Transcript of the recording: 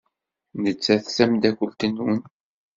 Nettat d tameddakelt-nwen.